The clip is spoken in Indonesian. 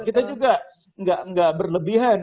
kita juga nggak berlebihan